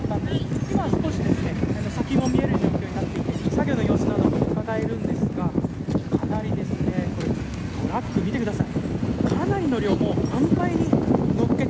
今、少し先も見える状況になってきて作業の様子などもうかがえるんですがトラックを見てください。